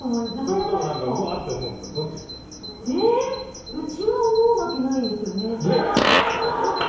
それともうわーって思うんですかうちは思うわけないですよね。